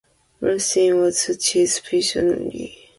Bronstein was a chess visionary.